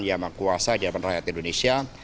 yang mengkuasai di hadapan rakyat indonesia